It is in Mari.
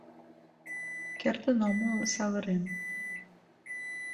Кертын омыл савырен.